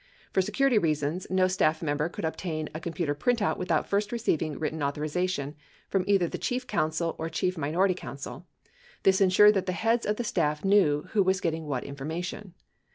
For security reasons, no staff member could obtain a computer printout without first receiving written authorization from either the Chief Counsel or Chief Minority Counsel. This insured that the heads of the staff knew who was get ting what information.